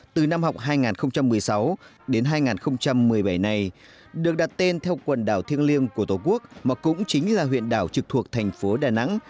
từ năm học hai nghìn một mươi sáu đến hai nghìn một mươi bảy này được đặt tên theo quần đảo thiêng liêng của tổ quốc mà cũng chính là huyện đảo trực thuộc thành phố đà nẵng